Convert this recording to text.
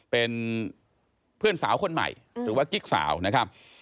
เป็นเพื่อนสาวคนใหม่หรือว่ากิ๊กสาวนะครับ